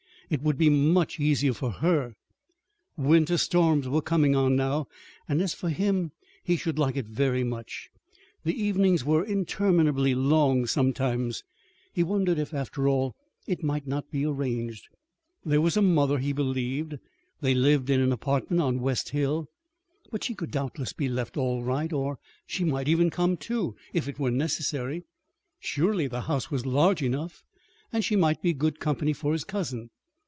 It would be much easier for her winter storms were coming on now; and as for him he should like it very much. The evenings were interminably long sometimes. He wondered if, after all, it might not be arranged. There was a mother, he believed. They lived in an apartment on West Hill. But she could doubtless be left all right, or she might even come, too, if it were necessary. Surely the house was large enough, and she might be good company for his cousin.